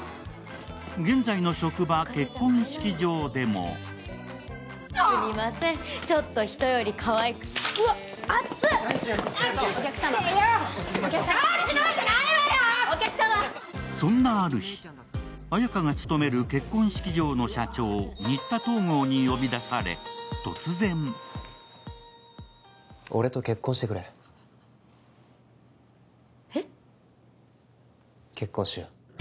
現在の職場、結婚式場でもそんなある日、綾華が勤める結婚式場の社長、新田東郷に呼び出され、突然俺と結婚してくれ。結婚しよう。